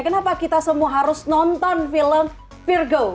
kenapa kita semua harus nonton film virgo